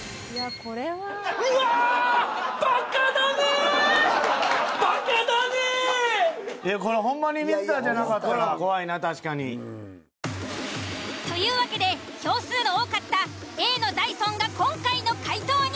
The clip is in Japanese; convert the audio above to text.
これほんまに確かに。というわけで票数の多かったＡの「ダイソン」が今回の解答に。